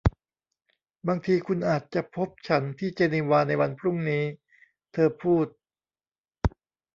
บางทีคุณอาจจะพบฉันที่เจนีวาในวันพรุ่งนี้เธอพูด